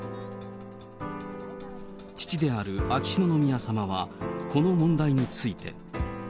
父である秋篠宮さまは、この問題について。